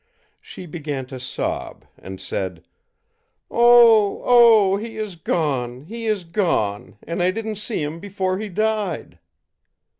She began to sob, and said: ì'Oh, oh, he is gone, he is gone, and I didn't see him before he died!'